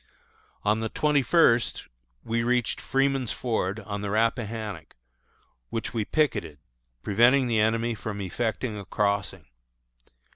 On the twenty first we reached Freeman's Ford, on the Rappahannock, which we picketed, preventing the enemy from effecting a crossing.